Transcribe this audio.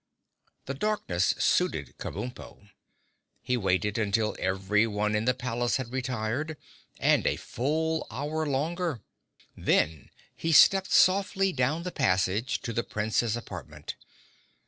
The darkness suited Kabumpo. He waited until everyone in the palace had retired, and a full hour longer. Then he stepped softly down the passage to the Prince's apartment.